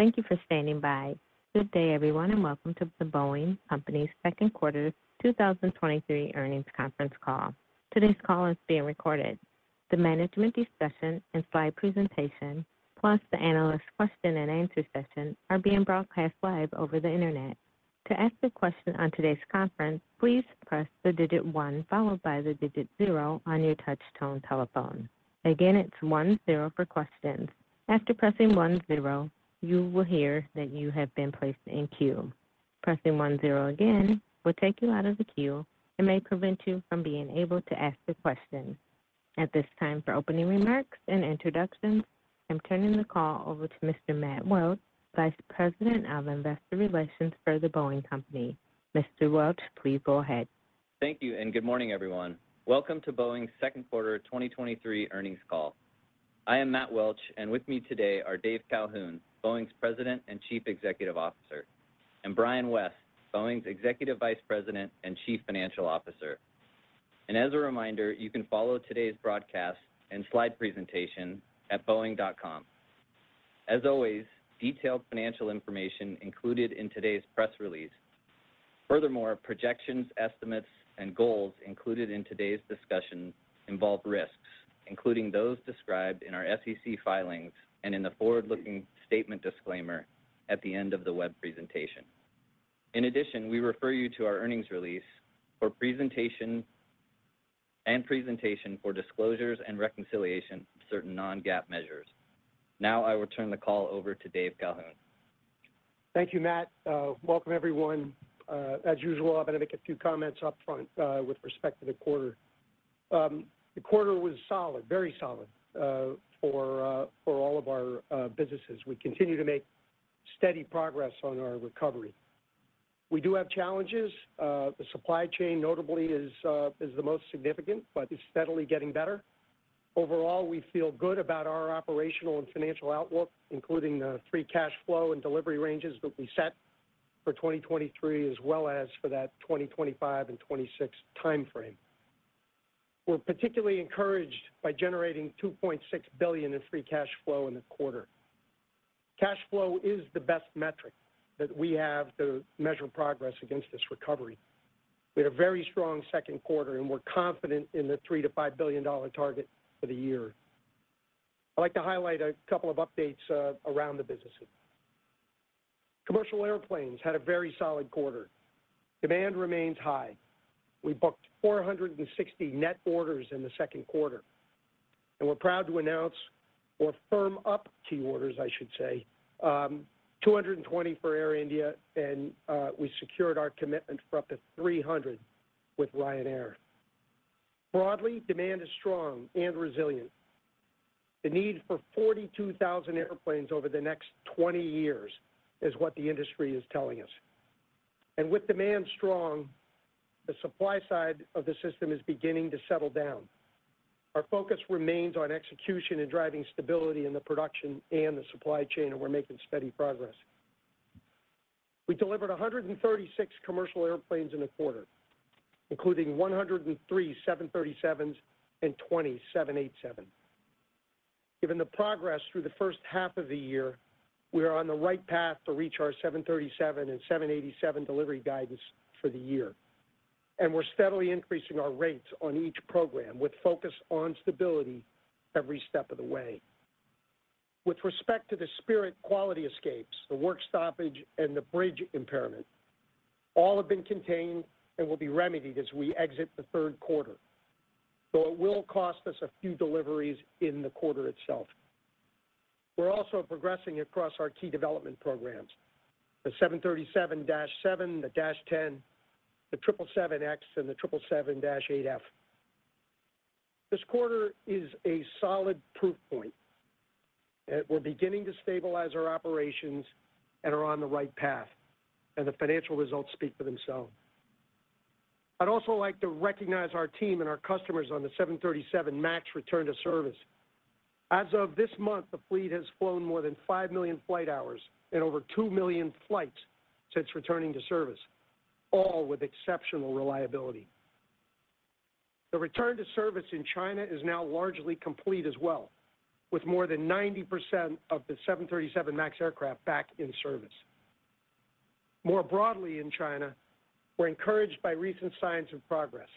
Thank you for standing by. Good day, everyone, and welcome to The Boeing Company's second quarter 2023 earnings conference call. Today's call is being recorded. The management discussion and slide presentation, plus the analyst question and answer session, are being broadcast live over the Internet. To ask a question on today's conference, please press one, followed by zero on your touchtone telephone. Again, it's one, zero for questions. After pressing one, zero, you will hear that you have been placed in queue. Pressing one, zero again, will take you out of the queue and may prevent you from being able to ask a question. At this time, for opening remarks and introductions, I'm turning the call over to Mr. Matt Welch, Vice President of Investor Relations for The Boeing Company. Mr. Welch, please go ahead. Thank you. Good morning, everyone. Welcome to Boeing's 2nd quarter of 2023 earnings call. I am Matt Welch, and with me today are Dave Calhoun, Boeing's President and Chief Executive Officer, and Brian West, Boeing's Executive Vice President and Chief Financial Officer. As a reminder, you can follow today's broadcast and slide presentation at boeing.com. As always, detailed financial information included in today's press release. Furthermore, projections, estimates, and goals included in today's discussion involve risks, including those described in our SEC filings and in the forward-looking statement disclaimer at the end of the web presentation. In addition, we refer you to our earnings release and presentation for disclosures and reconciliation of certain non-GAAP measures. I will turn the call over to Dave Calhoun. Thank you, Matt. Welcome, everyone. As usual, I'm going to make a few comments up front with respect to the quarter. The quarter was solid, very solid for all of our businesses. We continue to make steady progress on our recovery. We do have challenges. The supply chain, notably, is the most significant, but it's steadily getting better. Overall, we feel good about our operational and financial outlook, including the free cash flow and delivery ranges that we set for 2023, as well as for that 2025 and 2026 time frame. We're particularly encouraged by generating $2.6 billion in free cash flow in the quarter. Cash flow is the best metric that we have to measure progress against this recovery. We had a very strong second quarter, and we're confident in the $3 billion-$5 billion target for the year. I'd like to highlight a couple of updates around the businesses. Commercial Airplanes had a very solid quarter. Demand remains high. We booked 460 net orders in the second quarter, and we're proud to announce or firm up key orders, I should say, 220 for Air India, and we secured our commitment for up to 300 with Ryanair. Broadly, demand is strong and resilient. The need for 42,000 airplanes over the next 20 years is what the industry is telling us. With demand strong, the supply side of the system is beginning to settle down. Our focus remains on execution and driving stability in the production and the supply chain, and we're making steady progress. We delivered 136 commercial airplanes in the quarter, including 103 737s and 20 787. Given the progress through the first half of the year, we are on the right path to reach our 737 and 787 delivery guidance for the year, and we're steadily increasing our rates on each program with focus on stability every step of the way. With respect to the Spirit quality escapes, the work stoppage, and the bridge impairment, all have been contained and will be remedied as we exit the third quarter. It will cost us a few deliveries in the quarter itself. We're also progressing across our key development programs, the 737-7, the -10, the 777X, and the 777-8F. This quarter is a solid proof point that we're beginning to stabilize our operations and are on the right path, and the financial results speak for themselves. I'd also like to recognize our team and our customers on the 737 MAX return to service. As of this month, the fleet has flown more than 5 million flight hours and over 2 million flights since returning to service, all with exceptional reliability. The return to service in China is now largely complete as well, with more than 90% of the 737 MAX aircraft back in service. In China, we're encouraged by recent signs of progress.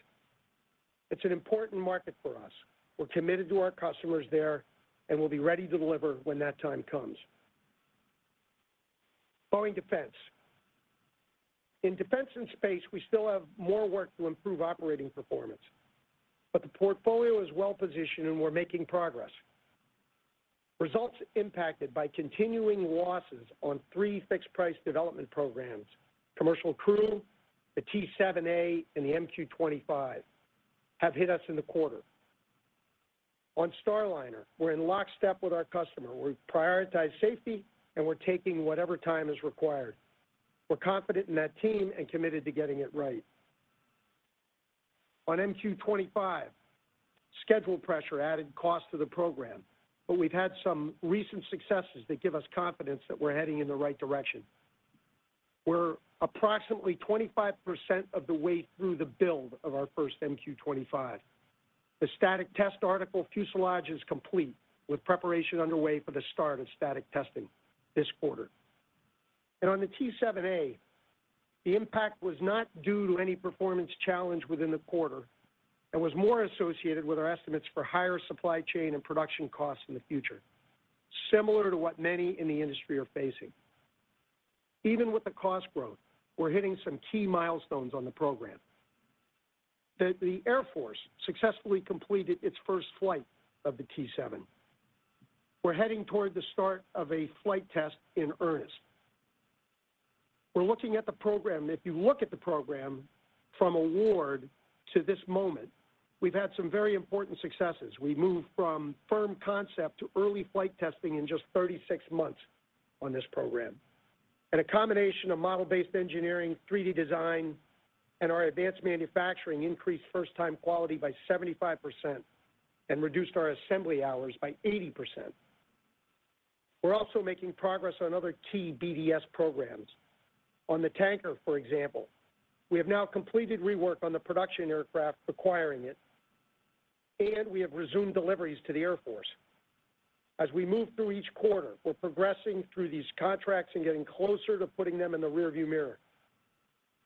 It's an important market for us. We're committed to our customers there, and we'll be ready to deliver when that time comes. Boeing Defense. In Defense and Space, we still have more work to improve operating performance. The portfolio is well-positioned and we're making progress. Results impacted by continuing losses on three fixed-price development programs, Commercial Crew, the T-7A, and the MQ-25, have hit us in the quarter. On Starliner, we're in lockstep with our customer. We prioritize safety, and we're taking whatever time is required. We're confident in that team and committed to getting it right. On MQ-25, schedule pressure added cost to the program, but we've had some recent successes that give us confidence that we're heading in the right direction. We're approximately 25% of the way through the build of our first MQ-25. The static test article fuselage is complete, with preparation underway for the start of static testing this quarter. On the T-7A, the impact was not due to any performance challenge within the quarter, and was more associated with our estimates for higher supply chain and production costs in the future, similar to what many in the industry are facing. Even with the cost growth, we're hitting some key milestones on the program. The Air Force successfully completed its first flight of the T-7. We're heading toward the start of a flight test in earnest. We're looking at the program, if you look at the program from award to this moment, we've had some very important successes. We moved from firm concept to early flight testing in just 36 months on this program. A combination of model-based engineering, 3D design, and our advanced manufacturing increased first time quality by 75% and reduced our assembly hours by 80%. We're also making progress on other key BDS programs. On the tanker, for example, we have now completed rework on the production aircraft requiring it, and we have resumed deliveries to the Air Force. As we move through each quarter, we're progressing through these contracts and getting closer to putting them in the rearview mirror.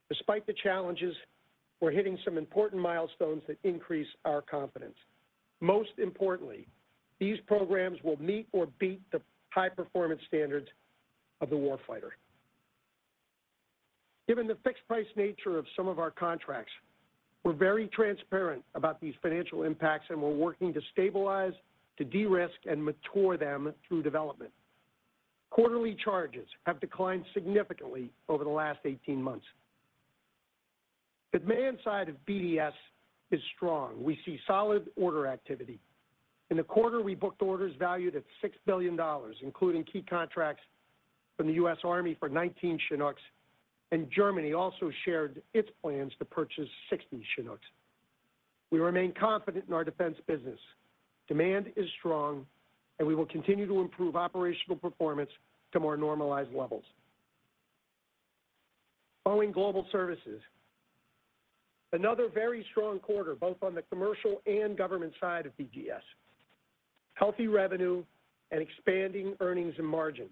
Despite the challenges, we're hitting some important milestones that increase our confidence. Most importantly, these programs will meet or beat the high performance standards of the warfighter. Given the fixed price nature of some of our contracts, we're very transparent about these financial impacts. We're working to stabilize, to de-risk, and mature them through development. Quarterly charges have declined significantly over the last 18 months. The demand side of BDS is strong. We see solid order activity. In the quarter, we booked orders valued at $6 billion, including key contracts from the US Army for 19 Chinooks. Germany also shared its plans to purchase 60 Chinooks. We remain confident in our defense business. Demand is strong. We will continue to improve operational performance to more normalized levels. Boeing Global Services, another very strong quarter, both on the commercial and government side of BGS. Healthy revenue and expanding earnings and margin.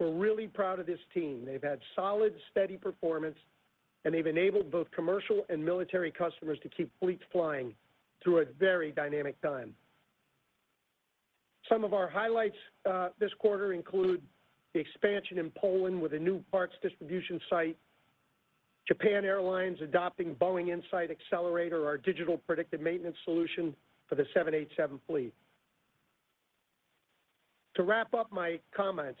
We're really proud of this team. They've had solid, steady performance, and they've enabled both commercial and military customers to keep fleets flying through a very dynamic time. Some of our highlights this quarter include the expansion in Poland with a new parts distribution site, Japan Airlines adopting Boeing Insight Accelerator, our digital predictive maintenance solution for the 787 fleet. To wrap up my comments,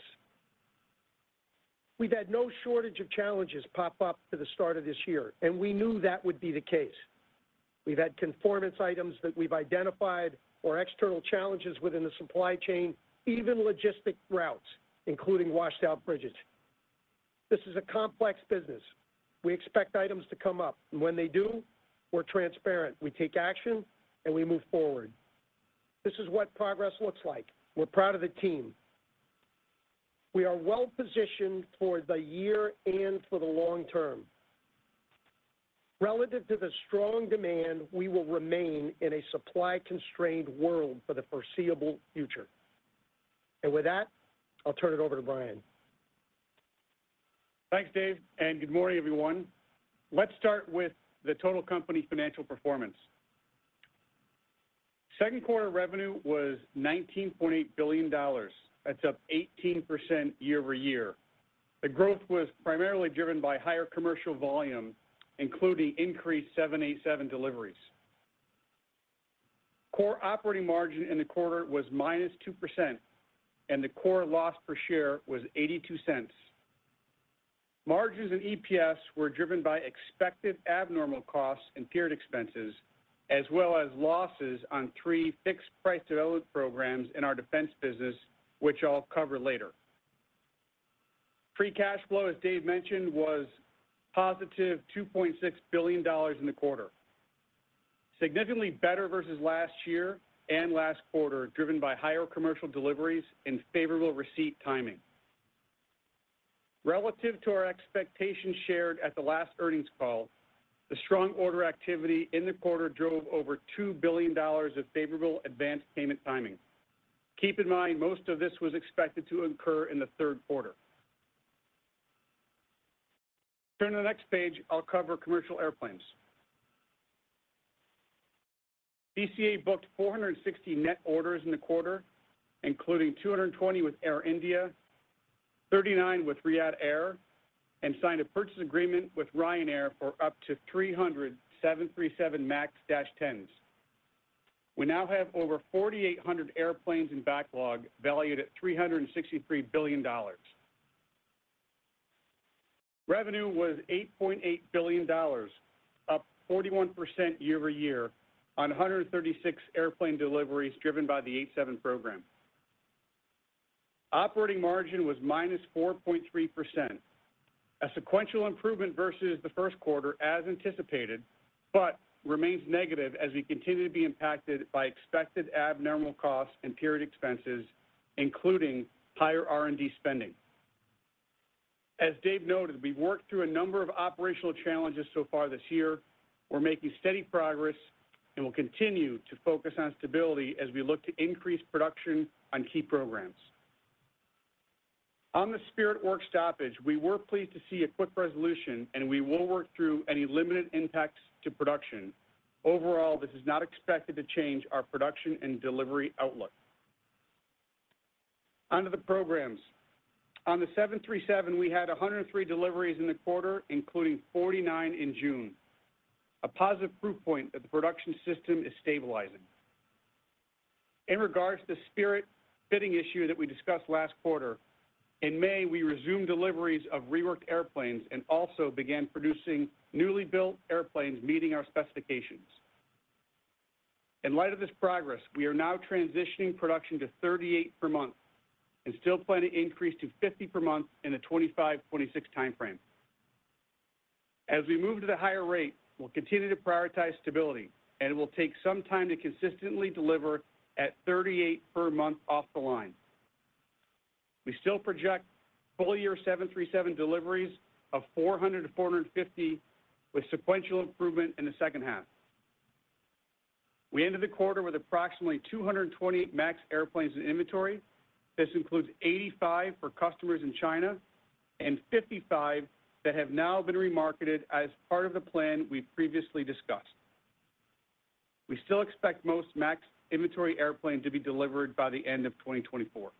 we've had no shortage of challenges pop up to the start of this year, and we knew that would be the case. We've had conformance items that we've identified or external challenges within the supply chain, even logistic routes, including washed out bridges. This is a complex business. We expect items to come up, and when they do, we're transparent. We take action, and we move forward. This is what progress looks like. We're proud of the team. We are well positioned for the year and for the long term. Relative to the strong demand, we will remain in a supply-constrained world for the foreseeable future. With that, I'll turn it over to Brian. Thanks, Dave. Good morning, everyone. Let's start with the total company financial performance. Second quarter revenue was $19.8 billion. That's up 18% year-over-year. The growth was primarily driven by higher commercial volume, including increased 787 deliveries. Core operating margin in the quarter was -2%. The core loss per share was $0.82. Margins and EPS were driven by expected abnormal costs and period expenses, as well as losses on three fixed price development programs in our defense business, which I'll cover later. Free cash flow, as Dave mentioned, was +$2.6 billion in the quarter. Significantly better versus last year and last quarter, driven by higher commercial deliveries and favorable receipt timing. Relative to our expectations shared at the last earnings call, the strong order activity in the quarter drove over $2 billion of favorable advanced payment timing. Keep in mind, most of this was expected to incur in the third quarter. Turn to the next page, I'll cover commercial airplanes. BCA booked 460 net orders in the quarter, including 220 with Air India, 39 with Riyadh Air, and signed a purchase agreement with Ryanair for up to 300 737 MAX 10s. We now have over 4,800 airplanes in backlog, valued at $363 billion. Revenue was $8.8 billion, up 41% year-over-year on 136 airplane deliveries, driven by the 787 program. Operating margin was -4.3%. A sequential improvement versus the first quarter as anticipated, but remains negative as we continue to be impacted by expected abnormal costs and period expenses, including higher R&D spending. As Dave noted, we've worked through a number of operational challenges so far this year. We're making steady progress, and we'll continue to focus on stability as we look to increase production on key programs. On the Spirit work stoppage, we were pleased to see a quick resolution, and we will work through any limited impacts to production. Overall, this is not expected to change our production and delivery outlook. Onto the programs. On the 737, we had 103 deliveries in the quarter, including 49 in June. A positive proof point that the production system is stabilizing. In regards to the Spirit fitting issue that we discussed last quarter, in May, we resumed deliveries of reworked airplanes and also began producing newly built airplanes, meeting our specifications. In light of this progress, we are now transitioning production to 38 per month and still plan to increase to 50 per month in the 2025, 2026 timeframe. As we move to the higher rate, we'll continue to prioritize stability, and it will take some time to consistently deliver at 38 per month off the line. We still project full year 737 deliveries of 400-450, with sequential improvement in the second half. We ended the quarter with approximately 220 MAX airplanes in inventory. This includes 85 for customers in China and 55 that have now been remarketed as part of the plan we've previously discussed. We still expect most MAX inventory airplanes to be delivered by the end of 2024.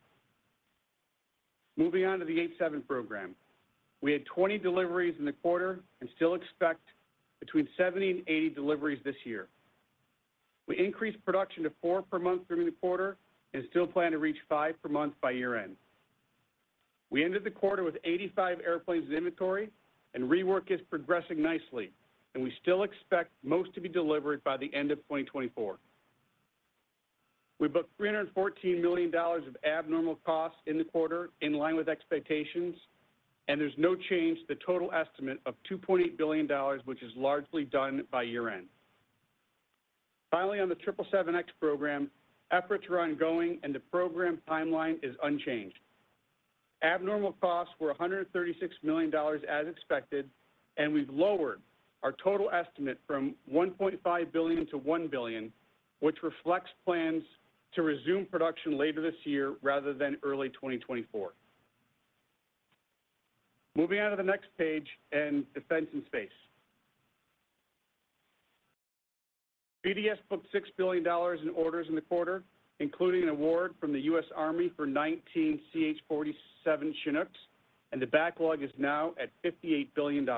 Moving on to the T-7 program. We had 20 deliveries in the quarter and still expect between 70 and 80 deliveries this year. We increased production to four per month during the quarter and still plan to reach five per month by year-end. We ended the quarter with 85 airplanes in inventory, and rework is progressing nicely, and we still expect most to be delivered by the end of 2024. We booked $314 million of abnormal costs in the quarter, in line with expectations, and there's no change to the total estimate of $2.8 billion, which is largely done by year-end. On the 777X program, efforts are ongoing and the program timeline is unchanged. Abnormal costs were $136 million as expected, and we've lowered our total estimate from $1.5 billion to $1 billion, which reflects plans to resume production later this year rather than early 2024. Moving on to the next page in defense and space. BDS booked $6 billion in orders in the quarter, including an award from the US Army for 19 CH-47 Chinooks, and the backlog is now at $58 billion.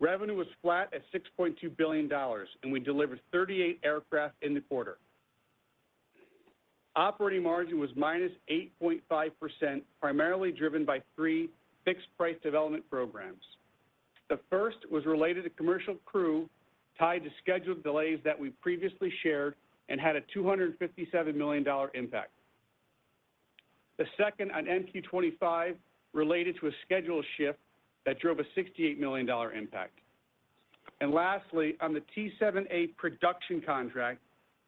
Revenue was flat at $6.2 billion, and we delivered 38 aircraft in the quarter. Operating margin was -8.5%, primarily driven by three fixed-price development programs. The first was related to Commercial Crew, tied to scheduled delays that we previously shared and had a $257 million impact. The second, on MQ-25, related to a schedule shift that drove a $68 million impact. Lastly, on the T-7A production contract,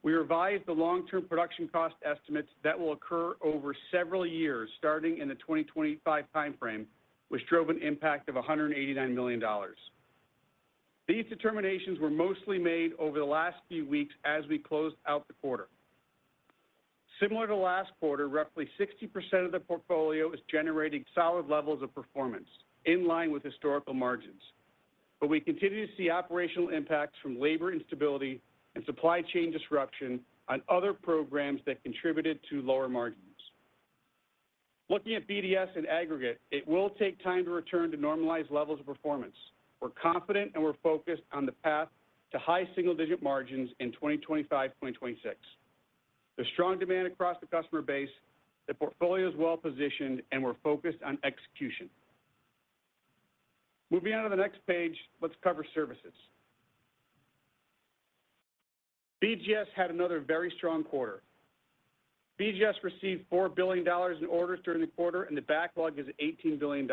we revised the long-term production cost estimates that will occur over several years, starting in the 2025 timeframe, which drove an impact of $189 million. These determinations were mostly made over the last few weeks as we closed out the quarter. Similar to last quarter, roughly 60% of the portfolio is generating solid levels of performance in line with historical margins. We continue to see operational impacts from labor instability and supply chain disruption on other programs that contributed to lower margins. Looking at BDS in aggregate, it will take time to return to normalized levels of performance. We're confident and we're focused on the path to high single-digit margins in 2025, 2026. There's strong demand across the customer base, the portfolio is well positioned, and we're focused on execution. Moving on to the next page, let's cover services. BGS had another very strong quarter. BGS received $4 billion in orders during the quarter, the backlog is $18 billion.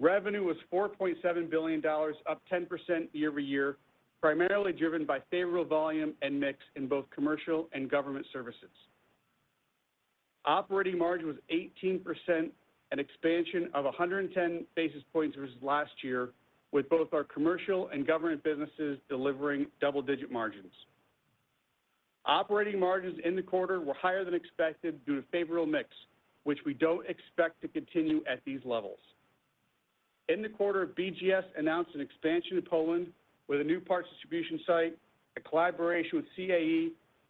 Revenue was $4.7 billion, up 10% year-over-year, primarily driven by favorable volume and mix in both commercial and government services. Operating margin was 18%, an expansion of 110 basis points versus last year, with both our commercial and government businesses delivering double-digit margins. Operating margins in the quarter were higher than expected due to favorable mix, which we don't expect to continue at these levels. In the quarter, BGS announced an expansion in Poland with a new parts distribution site, a collaboration with CAE,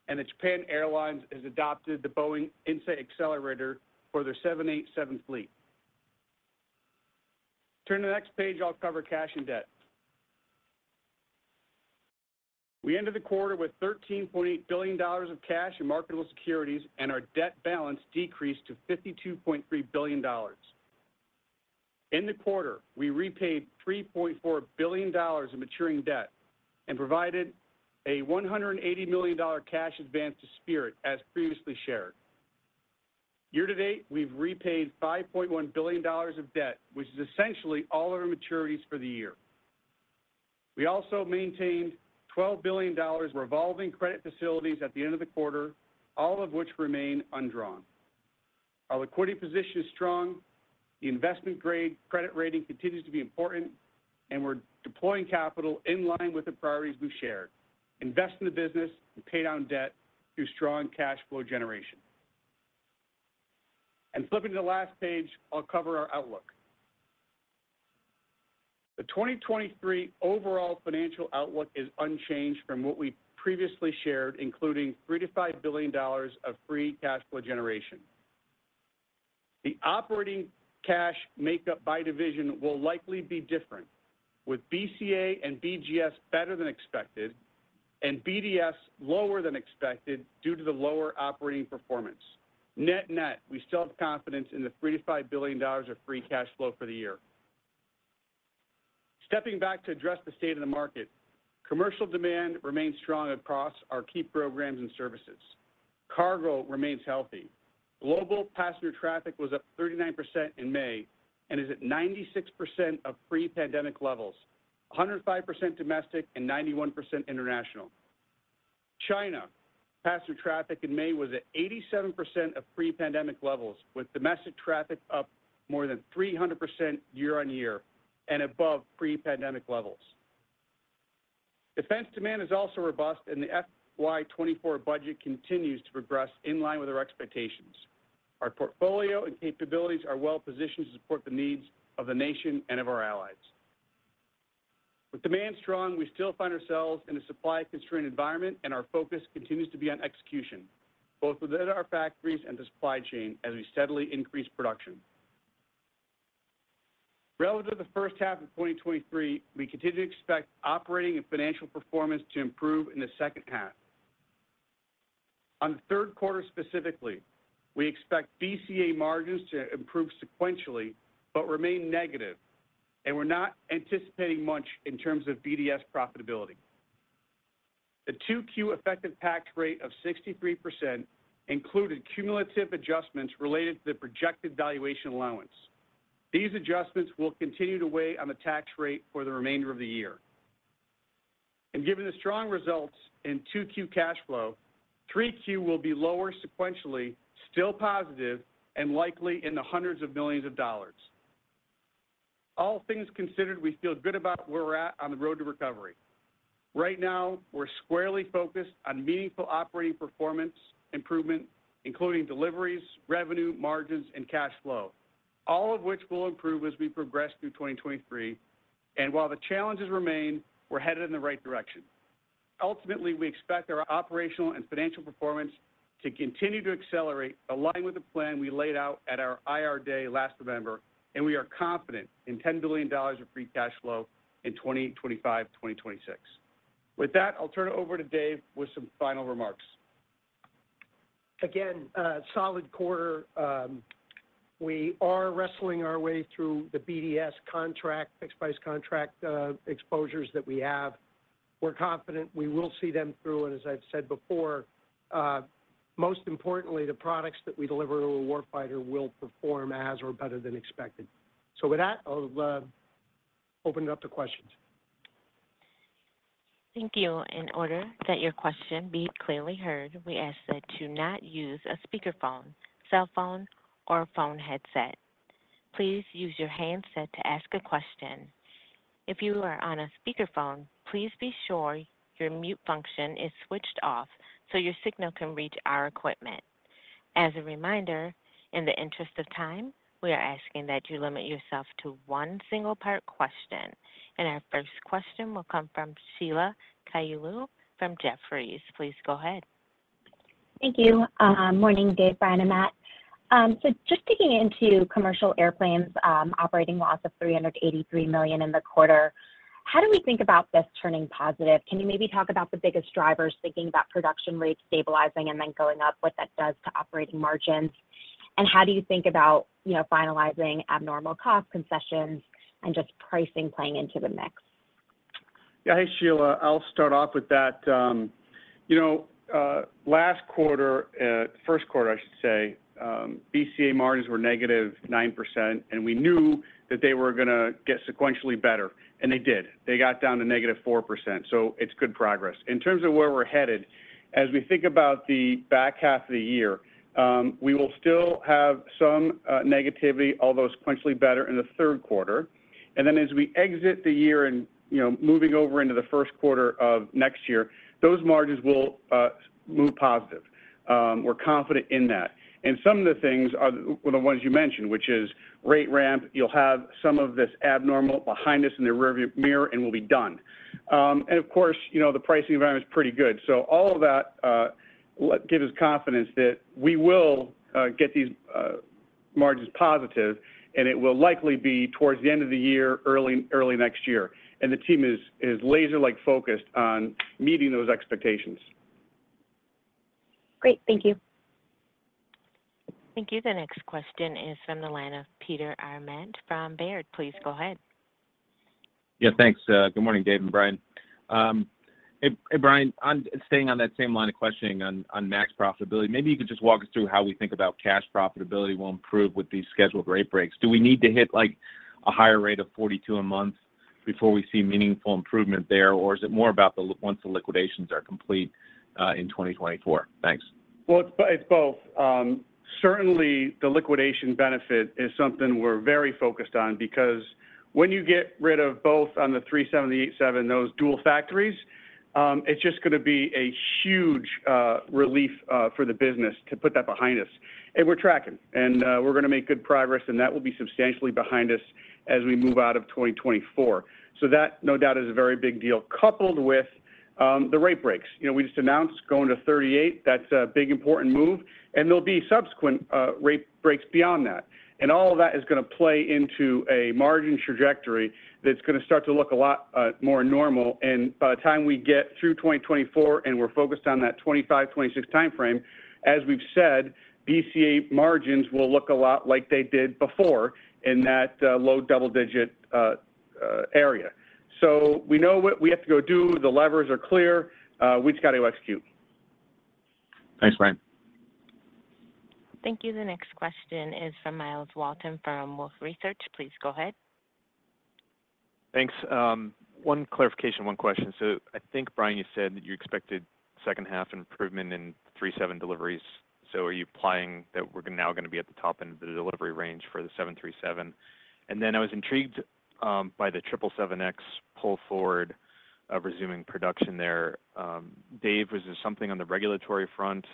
and that Japan Airlines has adopted the Boeing Insight Accelerator for their 787 fleet. Turn to the next page, I'll cover cash and debt. We ended the quarter with $13.8 billion of cash and marketable securities, and our debt balance decreased to $52.3 billion. In the quarter, we repaid $3.4 billion in maturing debt and provided a $180 million dollar cash advance to Spirit, as previously shared. Year-to-date, we've repaid $5.1 billion of debt, which is essentially all of our maturities for the year. We also maintained $12 billion revolving credit facilities at the end of the quarter, all of which remain undrawn. Our liquidity position is strong, the investment grade credit rating continues to be important, We're deploying capital in line with the priorities we've shared: invest in the business and pay down debt through strong cash flow generation. Flipping to the last page, I'll cover our outlook. The 2023 overall financial outlook is unchanged from what we previously shared, including $3 billion-$5 billion of free cash flow generation. The operating cash makeup by division will likely be different, with BCA and BGS better than expected, and BDS lower than expected due to the lower operating performance. Net-net, we still have confidence in the $3 billion-$5 billion of free cash flow for the year. Stepping back to address the state of the market, commercial demand remains strong across our key programs and services. Cargo remains healthy. Global passenger traffic was up 39% in May, and is at 96% of pre-pandemic levels, 105% domestic and 91% international. China, passenger traffic in May was at 87% of pre-pandemic levels, with domestic traffic up more than 300% year-on-year and above pre-pandemic levels. Defense demand is also robust, and the FY 2024 budget continues to progress in line with our expectations. Our portfolio and capabilities are well positioned to support the needs of the nation and of our allies. With demand strong, we still find ourselves in a supply-constrained environment, and our focus continues to be on execution, both within our factories and the supply chain, as we steadily increase production. Relative to the first half of 2023, we continue to expect operating and financial performance to improve in the second half. On the third quarter specifically, we expect BCA margins to improve sequentially, but remain negative, and we're not anticipating much in terms of BDS profitability. The 2Q effective tax rate of 63% included cumulative adjustments related to the projected valuation allowance. These adjustments will continue to weigh on the tax rate for the remainder of the year. Given the strong results in 2Q cash flow, 3Q will be lower sequentially, still positive, and likely in the hundreds of millions of dollars. All things considered, we feel good about where we're at on the road to recovery. Right now, we're squarely focused on meaningful operating performance improvement, including deliveries, revenue, margins, and cash flow, all of which will improve as we progress through 2023. While the challenges remain, we're headed in the right direction. Ultimately, we expect our operational and financial performance to continue to accelerate, align with the plan we laid out at our Investor Day last November, and we are confident in $10 billion of free cash flow in 2025, 2026. With that, I'll turn it over to Dave with some final remarks. A solid quarter. We are wrestling our way through the BDS contract, fixed price contract, exposures that we have. We're confident we will see them through, and as I've said before, most importantly, the products that we deliver to a warfighter will perform as or better than expected. With that, I'll open it up to questions. Thank you. In order that your question be clearly heard, we ask that you not use a speakerphone, cell phone, or a phone headset. Please use your handset to ask a question. If you are on a speakerphone, please be sure your mute function is switched off so your signal can reach our equipment. As a reminder, in the interest of time, we are asking that you limit yourself to one single part question. Our first question will come from Sheila Kahyaoglu from Jefferies. Please go ahead. Thank you. Morning, Dave, Brian, and Matt. Just digging into commercial airplanes, operating loss of $383 million in the quarter, how do we think about this turning positive? Can you maybe talk about the biggest drivers, thinking about production rates stabilizing and then going up, what that does to operating margins? How do you think about, you know, finalizing abnormal cost concessions and just pricing playing into the mix? Yeah. Hey, Sheila, I'll start off with that. You know, last quarter, first quarter, I should say, BCA margins were -9%, and we knew that they were gonna get sequentially better, and they did. They got down to -4%, it's good progress. In terms of where we're headed, as we think about the back half of the year, we will still have some negativity, although sequentially better in the third quarter. As we exit the year and, you know, moving over into the first quarter of next year, those margins will move positive. We're confident in that. Some of the things are the ones you mentioned, which is rate ramp. You'll have some of this abnormal behind us in the rearview mirror, and we'll be done. Of course, you know, the pricing environment is pretty good. All of that gives us confidence that we will get these margins positive, and it will likely be towards the end of the year, early next year. The team is laser-like focused on meeting those expectations. Great. Thank you. Thank you. The next question is from the line of Peter Arment from Baird. Please go ahead. Yeah, thanks. Good morning, Dave and Brian. Hey, Brian, staying on that same line of questioning on MAX profitability, maybe you could just walk us through how we think about cash profitability will improve with these scheduled rate breaks. Do we need to hit, like, a higher rate of 42 a month before we see meaningful improvement there? Or is it more about once the liquidations are complete in 2024? Thanks. Well, it's both. Certainly, the liquidation benefit is something we're very focused on because when you get rid of both on the 737 and the 787, those dual factories, it's just gonna be a huge relief for the business to put that behind us. We're tracking, and we're gonna make good progress, and that will be substantially behind us as we move out of 2024. That, no doubt, is a very big deal. Coupled with the rate breaks. You know, we just announced going to 38. That's a big, important move, and there'll be subsequent rate breaks beyond that. All of that is gonna play into a margin trajectory that's gonna start to look a lot more normal. By the time we get through 2024, and we're focused on that 2025, 2026 timeframe, as we've said, BCA margins will look a lot like they did before in that low double-digit area. We know what we have to go do. The levers are clear. We just got to execute. Thanks, Brian. Thank you. The next question is from Myles Walton from Wolfe Research. Please go ahead. Thanks. One clarification, one question. I think, Brian, you said that you expected second half improvement in 737 deliveries. Are you implying that we're now gonna be at the top end of the delivery range for the 737? Then I was intrigued by the 777X pull forward of resuming production there. Dave, was there something on the regulatory front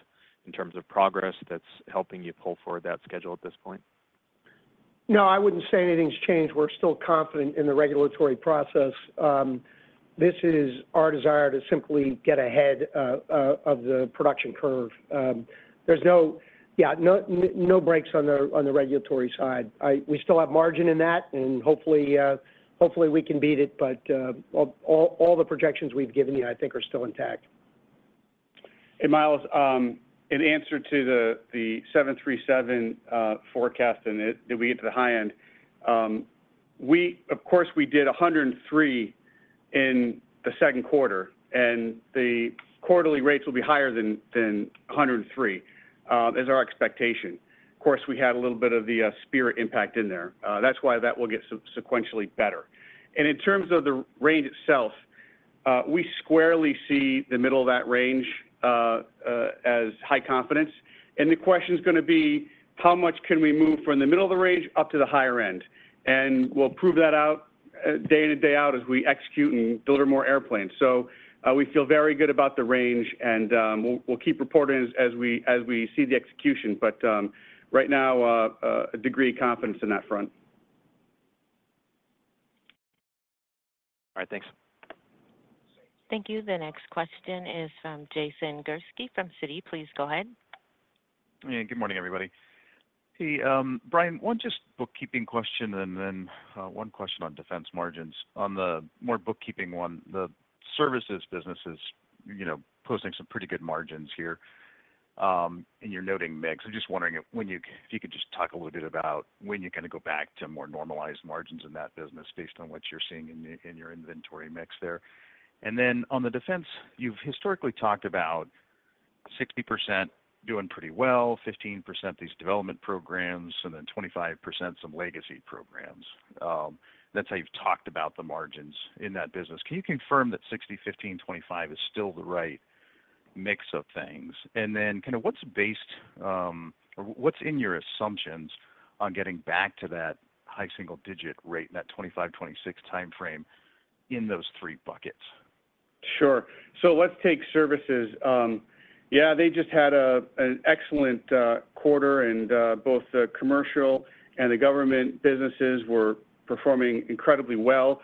in terms of progress that's helping you pull forward that schedule at this point? No, I wouldn't say anything's changed. We're still confident in the regulatory process. This is our desire to simply get ahead of the production curve. There's no breaks on the regulatory side. We still have margin in that, and hopefully, we can beat it. All the projections we've given you, I think, are still intact. Hey, Myles, in answer to the 737 forecast and it, did we get to the high end? Of course, we did 103 in the second quarter, and the quarterly rates will be higher than 103, is our expectation. Of course, we had a little bit of the Spirit impact in there. That's why that will get sequentially better. In terms of the range itself, we squarely see the middle of that range as high confidence. The question is gonna be: how much can we move from the middle of the range up to the higher end? We'll prove that out day in and day out as we execute and deliver more airplanes. We feel very good about the range, and we'll keep reporting as we see the execution. Right now, a degree of confidence in that front. All right. Thanks. Thank you. The next question is from Jason Gursky from Citi. Please go ahead. Yeah, good morning, everybody. Hey, Brian, one just bookkeeping question and then, one question on defense margins. On the more bookkeeping one, the services business is, you know, posting some pretty good margins here, and you're noting mix. I'm just wondering if you could just talk a little bit about when you're gonna go back to more normalized margins in that business based on what you're seeing in your inventory mix there. On the defense, you've historically talked about 60% doing pretty well, 15%, these development programs, and then 25%, some legacy programs. That's how you've talked about the margins in that business. Can you confirm that 60/15/25 is still the right mix of things? What's in your assumptions on getting back to that high single-digit rate in that 2025, 2026 timeframe in those three buckets? Sure. Let's take services. Yeah, they just had an excellent quarter, both the commercial and the government businesses were performing incredibly well.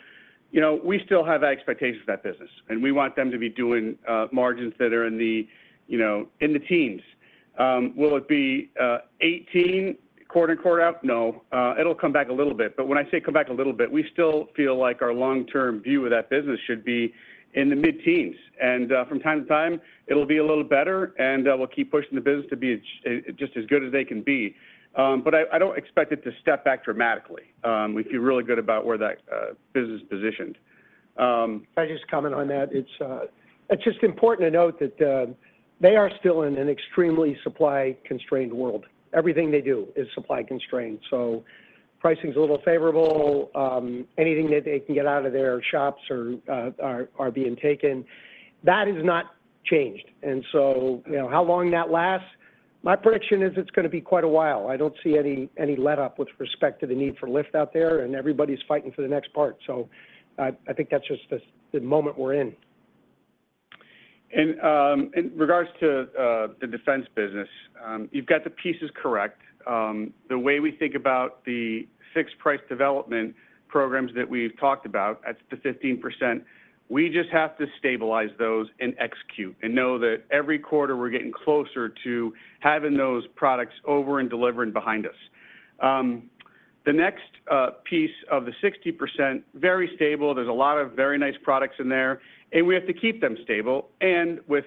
You know, we still have high expectations for that business, and we want them to be doing margins that are in the, you know, in the teens. Will it be 18 quarter and quarter out? No. It'll come back a little bit, but when I say come back a little bit, we still feel like our long-term view of that business should be in the mid-teens. From time to time, it'll be a little better, we'll keep pushing the business to be just as good as they can be. I don't expect it to step back dramatically. We feel really good about where that business is positioned. Can I just comment on that? It's just important to note that they are still in an extremely supply-constrained world. Everything they do is supply-constrained, so pricing's a little favorable. Anything that they can get out of their shops are being taken. That has not changed. You know, how long that lasts, my prediction is it's gonna be quite a while. I don't see any letup with respect to the need for lift out there. Everybody's fighting for the next part. I think that's just the moment we're in. In regards to the defense business, you've got the pieces correct. The way we think about the fixed-price development programs that we've talked about, that's the 15%, we just have to stabilize those and execute and know that every quarter we're getting closer to having those products over and delivering behind us. The next piece of the 60%, very stable. There's a lot of very nice products in there, and we have to keep them stable. With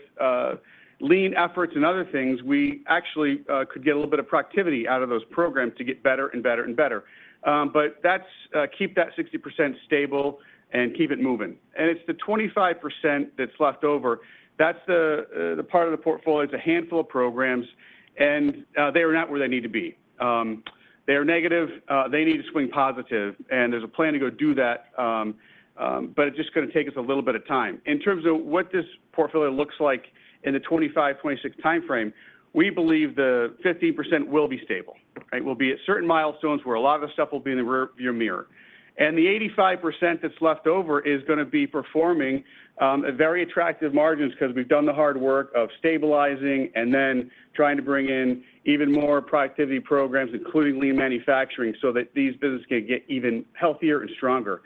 lean efforts and other things, we actually could get a little bit of productivity out of those programs to get better and better and better. That's keep that 60% stable and keep it moving. It's the 25% that's left over, that's the part of the portfolio, it's a handful of programs, and they are not where they need to be. They are negative, they need to swing positive, and there's a plan to go do that, but it's just gonna take us a little bit of time. In terms of what this portfolio looks like in the 2025, 2026 timeframe, we believe the 50% will be stable, right? We'll be at certain milestones where a lot of the stuff will be in the rear view mirror. The 85% that's left over is gonna be performing at very attractive margins, 'cause we've done the hard work of stabilizing and then trying to bring in even more productivity programs, including lean manufacturing, so that these businesses can get even healthier and stronger.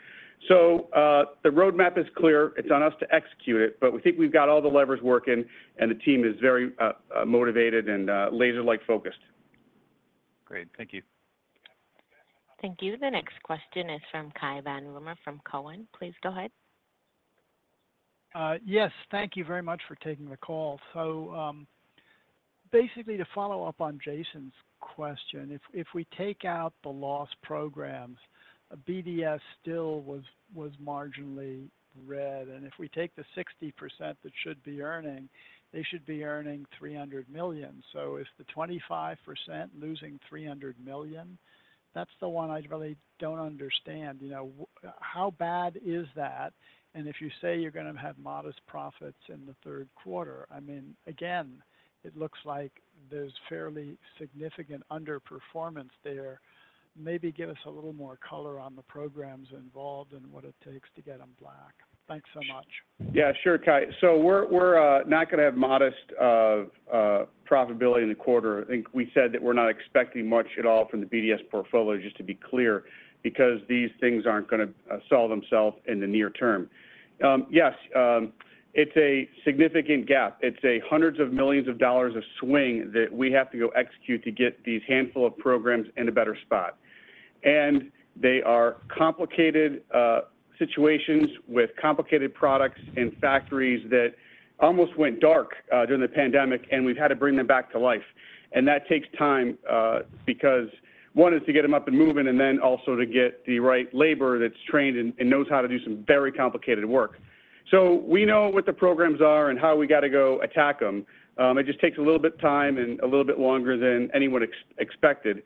The roadmap is clear, it's on us to execute it, but we think we've got all the levers working and the team is very motivated and laser-like focused. Great. Thank you. Thank you. The next question is from Cai von Rumohr from Cowen. Please go ahead. Yes. Thank you very much for taking the call. Basically, to follow up on Jason's question, if we take out the loss programs, BDS still was marginally red. If we take the 60% that should be earning, they should be earning $300 million. If the 25% losing $300 million, that's the one I really don't understand. You know, how bad is that? If you say you're gonna have modest profits in the third quarter, I mean, again, it looks like there's fairly significant underperformance there. Maybe give us a little more color on the programs involved and what it takes to get them black. Thanks so much. Yeah, sure, Cai. We're not gonna have modest profitability in the quarter. I think we said that we're not expecting much at all from the BDS portfolio, just to be clear, because these things aren't gonna sell themselves in the near term. Yes, it's a significant gap. It's a hundreds of millions of dollars of swing that we have to go execute to get these handful of programs in a better spot. They are complicated situations with complicated products and factories that almost went dark during the pandemic, and we've had to bring them back to life. That takes time because one is to get them up and moving, and then also to get the right labor that's trained and knows how to do some very complicated work. We know what the programs are and how we gotta go attack them. It just takes a little bit of time and a little bit longer than anyone expected.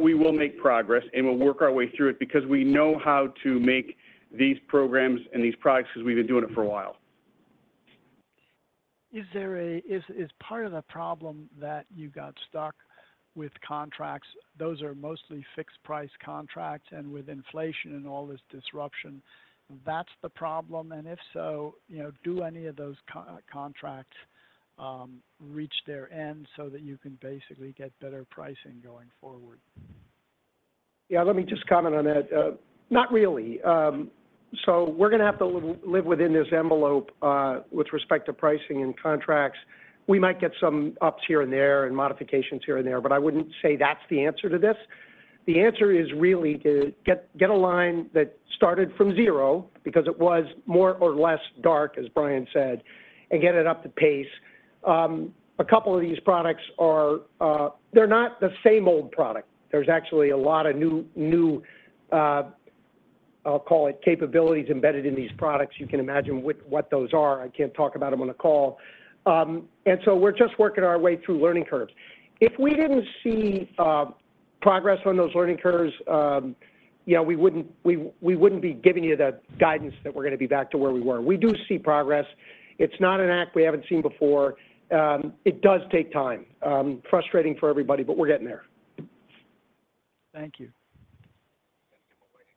We will make progress, and we'll work our way through it because we know how to make these programs and these products, because we've been doing it for a while. Is part of the problem that you got stuck with contracts, those are mostly fixed price contracts, and with inflation and all this disruption, that's the problem? If so, you know, do any of those contracts reach their end so that you can basically get better pricing going forward? Yeah, let me just comment on that. Not really. We're gonna have to live within this envelope, with respect to pricing and contracts. We might get some ups here and there and modifications here and there, but I wouldn't say that's the answer to this. The answer is really to get a line that started from zero, because it was more or less dark, as Brian said, and get it up to pace. A couple of these products, they're not the same old product. There's actually a lot of new, I'll call it capabilities, embedded in these products. You can imagine what those are. I can't talk about them on the call. We're just working our way through learning curves. If we didn't see progress on those learning curves, you know, we wouldn't be giving you the guidance that we're gonna be back to where we were. We do see progress. It's not an act we haven't seen before. It does take time. Frustrating for everybody, but we're getting there. Thank you.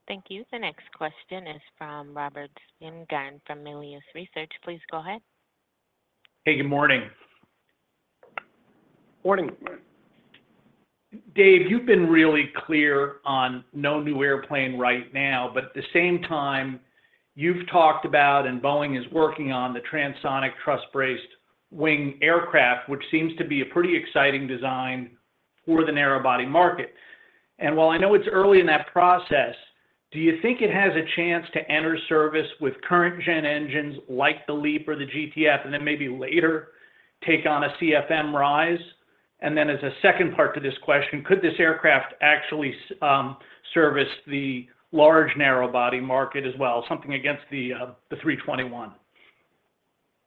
Thank you. The next question is from Robert Spingarn from Melius Research. Please go ahead. Hey, good morning. Morning. Dave, you've been really clear on no new airplane right now, but at the same time, you've talked about, and Boeing is working on the Transonic Truss-Braced Wing aircraft, which seems to be a pretty exciting design for the narrow body market. While I know it's early in that process, do you think it has a chance to enter service with current gen engines like the LEAP or the GTF, and then maybe later take on a CFM RISE? As a second part to this question, could this aircraft actually service the large narrow body market as well, something against the A321?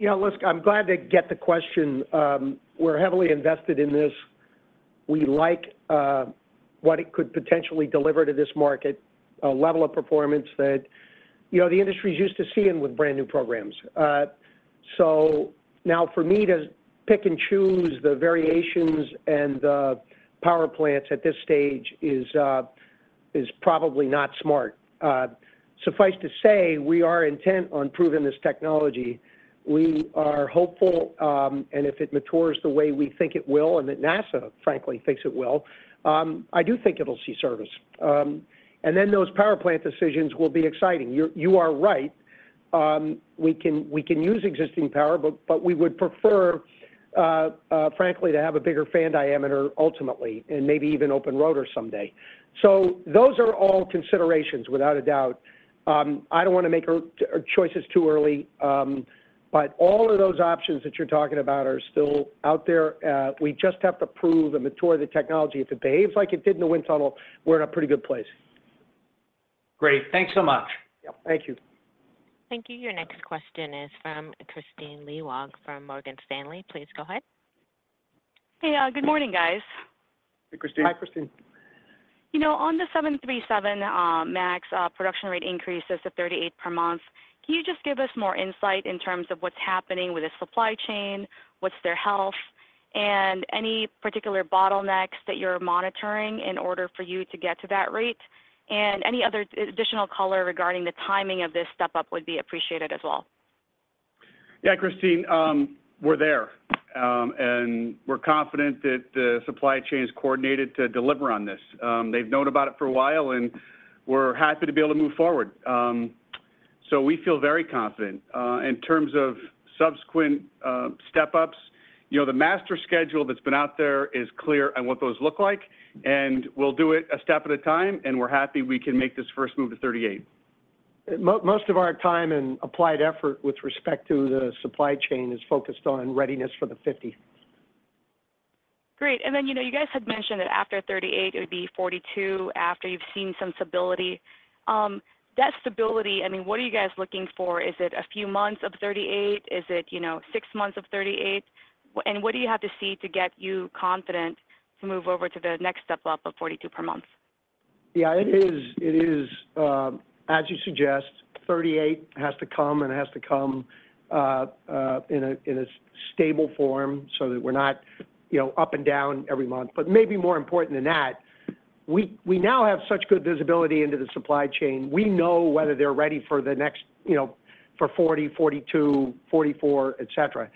Yeah, listen, I'm glad to get the question. We're heavily invested in this. We like what it could potentially deliver to this market, a level of performance that, you know, the industry is used to seeing with brand-new programs. Now for me to pick and choose the variations and the power plants at this stage is probably not smart. Suffice to say, we are intent on proving this technology. We are hopeful, if it matures the way we think it will, and that NASA, frankly, thinks it will, I do think it'll see service. Those power plant decisions will be exciting. You are right. We can use existing power, but we would prefer, frankly, to have a bigger fan diameter ultimately, and maybe even open rotor someday. Those are all considerations, without a doubt. I don't want to make our choices too early, but all of those options that you're talking about are still out there. We just have to prove and mature the technology. If it behaves like it did in the wind tunnel, we're in a pretty good place. Great. Thanks so much. Yeah. Thank you. Thank you. Your next question is from Kristine Liwag from Morgan Stanley. Please go ahead. Hey, good morning, guys. Hey, Kristine. Hi, Kristine. You know, on the 737 MAX production rate increases to 38 per month, can you just give us more insight in terms of what's happening with the supply chain, what's their health, and any particular bottlenecks that you're monitoring in order for you to get to that rate? Any other additional color regarding the timing of this step up would be appreciated as well. Yeah, Kristine, we're there. We're confident that the supply chain is coordinated to deliver on this. They've known about it for a while, we're happy to be able to move forward. We feel very confident. In terms of subsequent step-ups, you know, the master schedule that's been out there is clear on what those look like, we'll do it a step at a time, we're happy we can make this first move to 38. Most of our time and applied effort with respect to the supply chain is focused on readiness for the 50. Great. Then, you know, you guys had mentioned that after 38, it would be 42, after you've seen some stability. That stability, I mean, what are you guys looking for? Is it a few months of 38? Is it, you know, six months of 38? What do you have to see to get you confident to move over to the next step up of 42 per month? Yeah, it is, as you suggest, 38 has to come, it has to come in a stable form so that we're not, you know, up and down every month. Maybe more important than that, we now have such good visibility into the supply chain, we know whether they're ready for the next, you know, for 40, 42, 44, et cetera.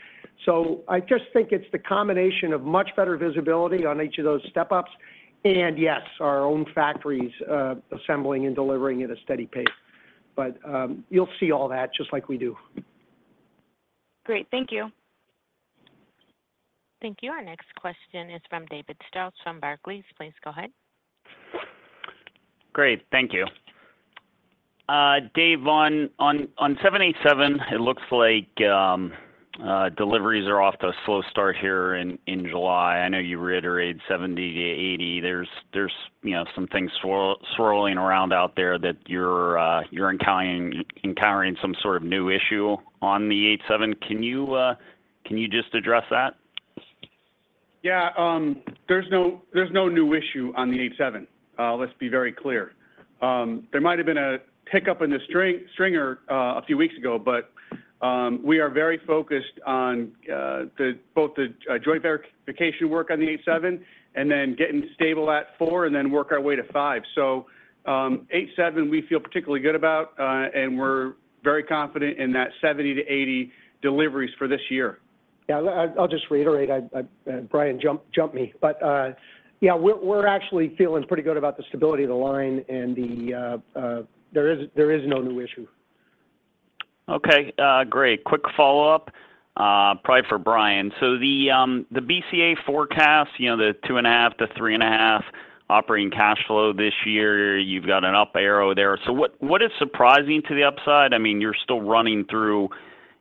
I just think it's the combination of much better visibility on each of those step-ups, and yes, our own factories assembling and delivering at a steady pace. You'll see all that just like we do. Great. Thank you. Thank you. Our next question is from David Strauss from Barclays. Please go ahead. Great. Thank you. Dave, on 787, it looks like deliveries are off to a slow start here in July. I know you reiterated 70 to 80. There's, you know, some things swirling around out there that you're encountering some sort of new issue on the 787. Can you just address that? There's no new issue on the 787. Let's be very clear. There might have been a hiccup in the stringer a few weeks ago, we are very focused on both the joint verification work on the 787 and then getting stable at four, and then work our way to five. So, 787, we feel particularly good about, and we're very confident in that 70-80 deliveries for this year. Yeah, I, Brian jumped me. Yeah, we're actually feeling pretty good about the stability of the line and the. There is no new issue. Okay, great. Quick follow-up, probably for Brian. The BCA forecast, you know, the $2.5 billion-$3.5 billion operating cash flow this year, you've got an up arrow there. What is surprising to the upside? I mean, you're still running through,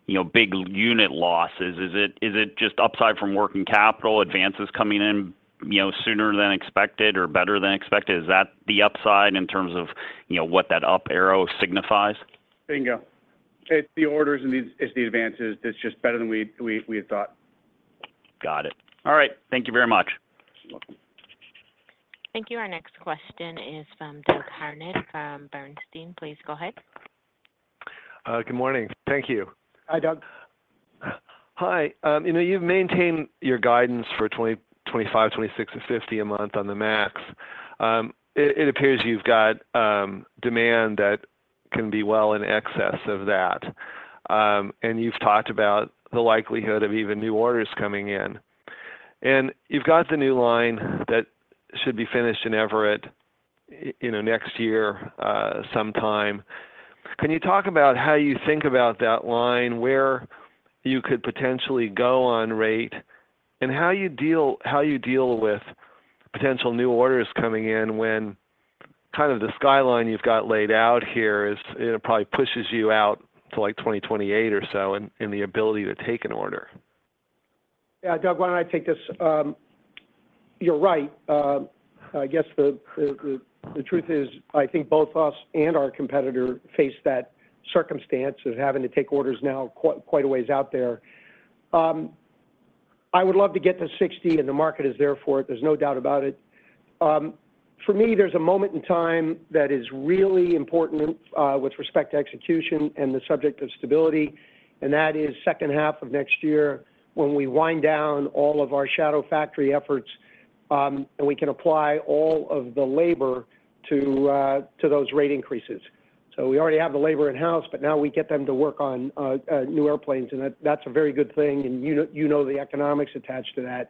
you know, big unit losses. Is it, is it just upside from working capital, advances coming in, you know, sooner than expected or better than expected? Is that the upside in terms of, you know, what that up arrow signifies? Bingo. It's the orders and it's the advances. It's just better than we had thought. Got it. All right. Thank you very much. You're welcome. Thank you. Our next question is from Doug Harned from Bernstein. Please go ahead. Good morning. Thank you. Hi, Doug. Hi. You know, you've maintained your guidance for 2025, 2026 to 50 a month on the MAX. It, it appears you've got demand that can be well in excess of that, and you've talked about the likelihood of even new orders coming in. You've got the new line that should be finished in Everett, you know, next year sometime. Can you talk about how you think about that line, where you could potentially go on rate, and how you deal with potential new orders coming in when kind of the skyline you've got laid out here is, it probably pushes you out to, like, 2028 or so, and the ability to take an order? Yeah, Doug, why don't I take this? You're right. I guess the truth is, I think both us and our competitor face that circumstance of having to take orders now quite a ways out there. I would love to get to 60. The market is there for it, there's no doubt about it. For me, there's a moment in time that is really important with respect to execution and the subject of stability, and that is second half of next year when we wind down all of our shadow factory efforts, and we can apply all of the labor to those rate increases. We already have the labor in-house, but now we get them to work on new airplanes, and that's a very good thing, and you know, you know the economics attached to that.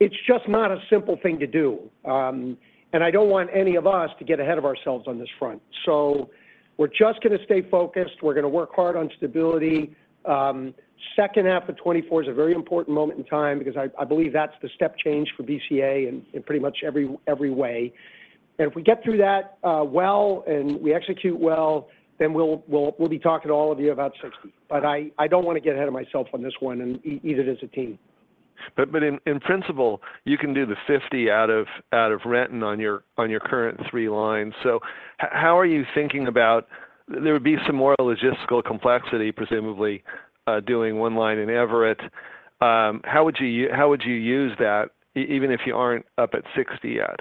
It's just not a simple thing to do, and I don't want any of us to get ahead of ourselves on this front. We're just gonna stay focused, we're gonna work hard on stability. Second half of 2024 is a very important moment in time, because I believe that's the step change for BCA in pretty much every way. If we get through that, well, and we execute well, then we'll be talking to all of you about 60. I don't wanna get ahead of myself on this one, and either does the team. In principle, you can do the 50 out of Renton on your current three lines. How are you thinking about, there would be some more logistical complexity, presumably, doing one line in Everett. How would you use that, even if you aren't up at 60 yet?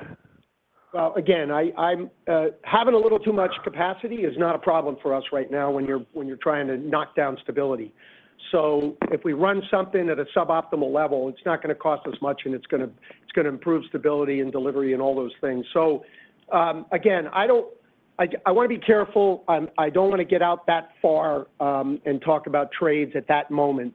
Well, again, I'm having a little too much capacity is not a problem for us right now when you're, when you're trying to knock down stability. If we run something at a suboptimal level, it's not gonna cost us much, and it's gonna improve stability and delivery and all those things. Again, I wanna be careful. I don't wanna get out that far and talk about trades at that moment.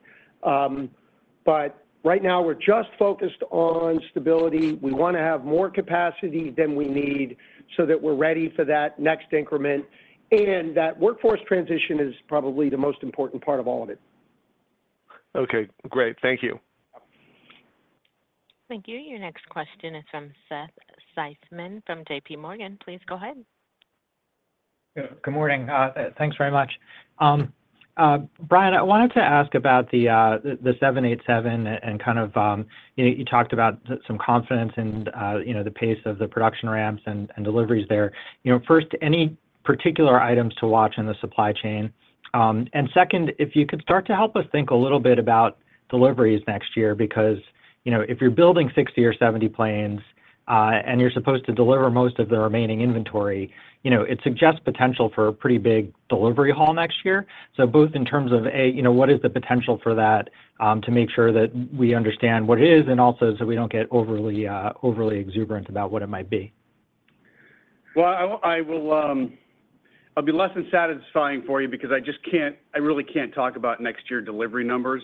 Right now, we're just focused on stability. We wanna have more capacity than we need so that we're ready for that next increment, and that workforce transition is probably the most important part of all of it. Okay, great. Thank you. Thank you. Your next question is from Seth Seifman from JPMorgan. Please go ahead. Good morning. Thanks very much. Brian, I wanted to ask about the 787. You know, you talked about some confidence and, you know, the pace of the production ramps and deliveries there. You know, first, any particular items to watch in the supply chain? Second, if you could start to help us think a little bit about deliveries next year, because, you know, if you're building 60 or 70 planes, and you're supposed to deliver most of the remaining inventory, you know, it suggests potential for a pretty big delivery haul next year. Both in terms of, A, you know, what is the potential for that to make sure that we understand what it is, and also, so we don't get overly exuberant about what it might be. Well, I'll be less than satisfying for you because I just can't, I really can't talk about next year delivery numbers.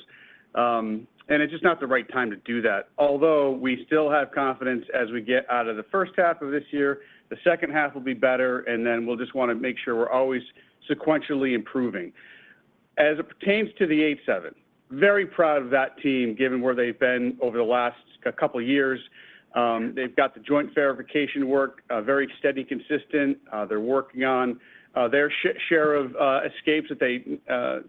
It's just not the right time to do that. Although, we still have confidence as we get out of the first half of this year, the second half will be better, then we'll just wanna make sure we're always sequentially improving. As it pertains to the 787, very proud of that team, given where they've been over the last couple years. They've got the joint verification work, very steady, consistent. They're working on their share of escapes that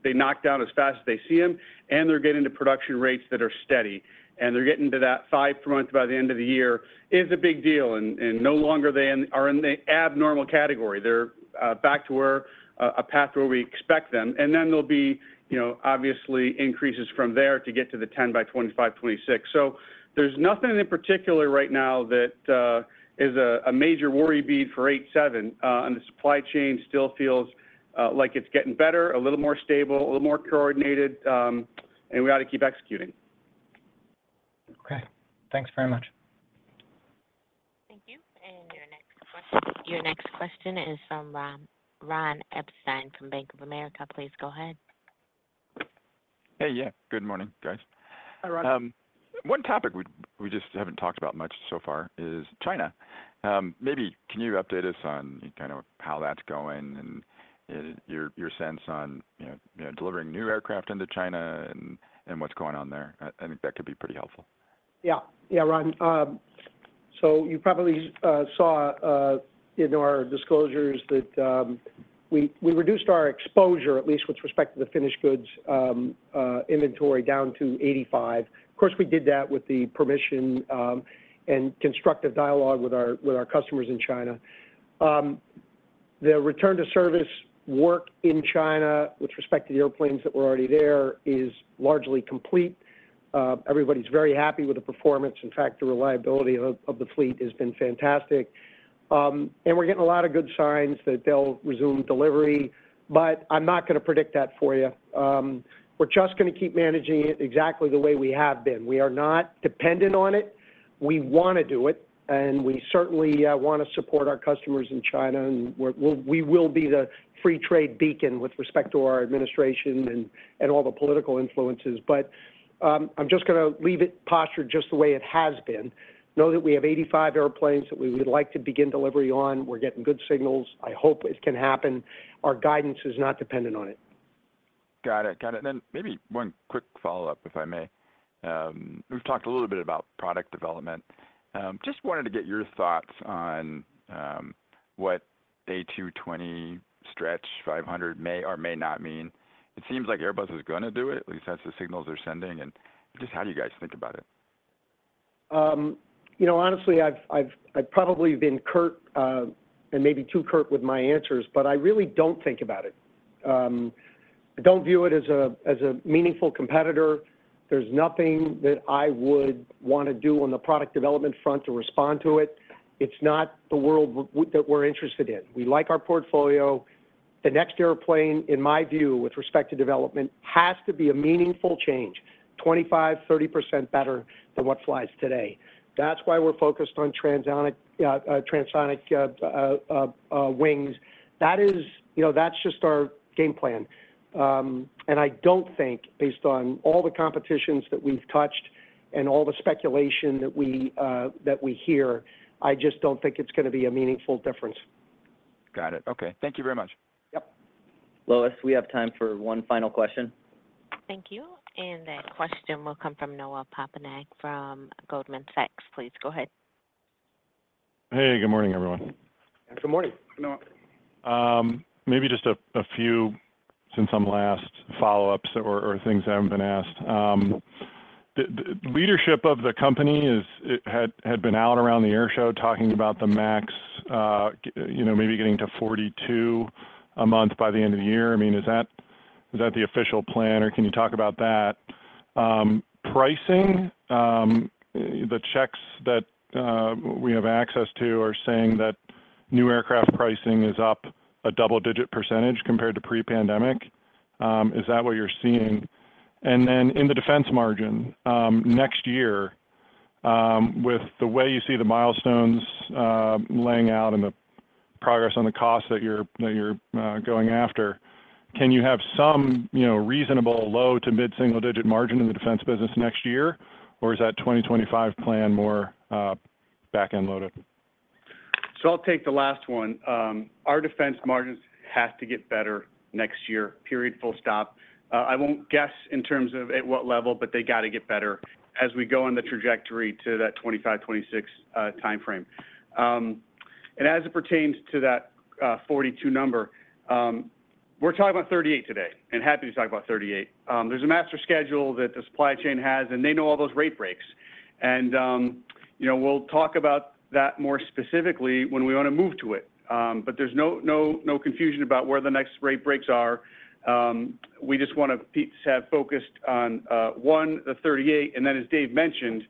they knock down as fast as they see them, and they're getting to production rates that are steady, and they're getting to that five per month by the end of the year. Is a big deal, no longer they are in the abnormal costs. They're back to where a path where we expect them, and then there'll be, you know, obviously, increases from there to get to the 10 by 2025, 2026. There's nothing in particular right now that is a major worry bead for 787. The supply chain still feels like it's getting better, a little more stable, a little more coordinated, and we ought to keep executing. Okay. Thanks very much. Thank you. Your next question is from Ron Epstein from Bank of America. Please go ahead. Hey, yeah. Good morning, guys. Hi, Ron. One topic we just haven't talked about much so far is China. Maybe can you update us on kind of how that's going and your sense on, you know, delivering new aircraft into China and what's going on there? I think that could be pretty helpful. Yeah, Ron. You probably saw in our disclosures that we reduced our exposure, at least with respect to the finished goods inventory, down to 85. Of course, we did that with the permission and constructive dialogue with our customers in China. The return to service work in China, with respect to the airplanes that were already there, is largely complete. Everybody's very happy with the performance. In fact, the reliability of the fleet has been fantastic. We're getting a lot of good signs that they'll resume delivery, but I'm not gonna predict that for you. We're just gonna keep managing it exactly the way we have been. We are not dependent on it. We wanna do it, and we certainly, wanna support our customers in China, and we will be the free trade beacon with respect to our administration and all the political influences. I'm just gonna leave it postured just the way it has been. Know that we have 85 airplanes that we would like to begin delivery on. We're getting good signals. I hope it can happen. Our guidance is not dependent on it. Got it. Got it. Maybe one quick follow-up, if I may. We've talked a little bit about product development. Just wanted to get your thoughts on, what A220 stretch 500 may or may not mean. It seems like Airbus is gonna do it, at least that's the signals they're sending, just how do you guys think about it? You know, honestly, I've probably been curt, and maybe too curt with my answers, but I really don't think about it. I don't view it as a meaningful competitor. There's nothing that I would wanna do on the product development front to respond to it. It's not the world that we're interested in. We like our portfolio. The next airplane, in my view, with respect to development, has to be a meaningful change, 25%, 30% better than what flies today. That's why we're focused on transonic wings. You know, that's just our game plan. And I don't think, based on all the competitions that we've touched and all the speculation that we hear, I just don't think it's gonna be a meaningful difference. Got it. Okay, thank you very much. Yep. Lois, we have time for one final question. Thank you. That question will come from Noah Poponak from Goldman Sachs. Please go ahead. Hey, good morning, everyone. Good morning, Noah. Maybe just a few since I'm last follow-ups or things that haven't been asked. The leadership of the company is, it had been out around the air show talking about the MAX, you know, maybe getting to 42 a month by the end of the year. I mean, is that the official plan, or can you talk about that? Pricing, the checks that we have access to are saying that new aircraft pricing is up a double-digit percentage compared to pre-pandemic. Is that what you're seeing? Then in the defense margin, next year, with the way you see the milestones laying out and the progress on the cost that you're going after, can you have some, you know, reasonable low to mid-single digit margin in the defense business next year? Is that 2025 plan more, back-end loaded? I'll take the last one. Our defense margins have to get better next year, period, full stop. I won't guess in terms of at what level, but they got to get better as we go on the trajectory to that 2025, 2026 timeframe. As it pertains to that 42 number, we're talking about 38 today, and happy to talk about 38. There's a master schedule that the supply chain has, and they know all those rate breaks. You know, we'll talk about that more specifically when we want to move to it. There's no confusion about where the next rate breaks are. We just want to have focused on one, the 38, and then as Dave mentioned,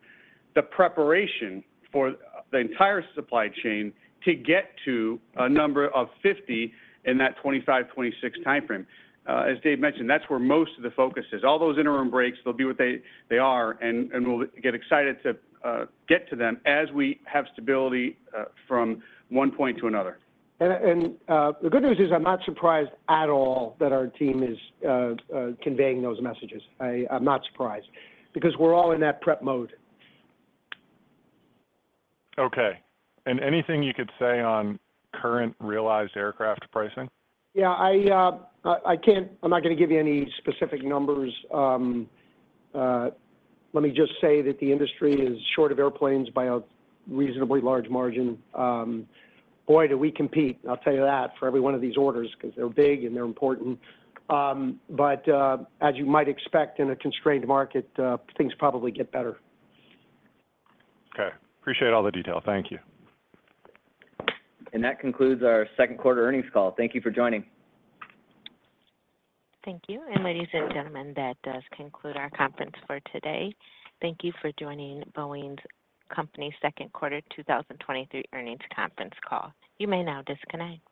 the preparation for the entire supply chain to get to a number of 50 in that 2025, 2026 timeframe. As Dave mentioned, that's where most of the focus is. All those interim breaks, they'll be what they are, and we'll get excited to get to them as we have stability from one point to another. The good news is I'm not surprised at all that our team is conveying those messages. I'm not surprised, because we're all in that prep mode. Okay. Anything you could say on current realized aircraft pricing? Yeah, I'm not going to give you any specific numbers. Let me just say that the industry is short of airplanes by a reasonably large margin. Boy, do we compete, I'll tell you that, for every one of these orders, because they're big and they're important. As you might expect in a constrained market, things probably get better. Okay. Appreciate all the detail. Thank you. That concludes our second quarter earnings call. Thank you for joining. Thank you. Ladies and gentlemen, that does conclude our conference for today. Thank you for joining Boeing's Company Second Quarter 2023 Earnings Conference Call. You may now disconnect.